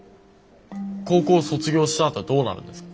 高校卒業したあとはどうなるんですか？